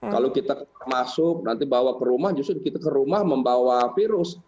kalau kita masuk nanti bawa ke rumah justru kita ke rumah membawa virus